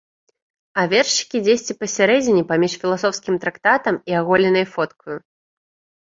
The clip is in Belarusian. А вершыкі дзесьці пасярэдзіне паміж філасофскім трактатам і аголенай фоткаю.